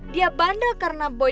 dia bandel karena boy